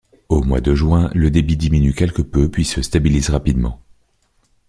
Au mois de juin le débit diminue quelque peu puis se stabilise rapidement.